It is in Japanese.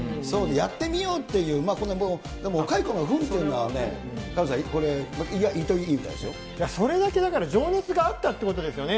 やってみようっていう、でも蚕のふんっていうのは、萱野さん、意外とよかったみたいそれだけだから情熱があったということですよね。